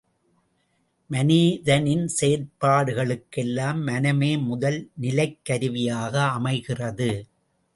மனிதனின் செயற்பாடுகளுக்கெல்லாம் மனமே முதல் நிலைக்கருவியாக அமைகிறது.